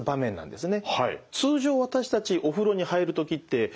ですね。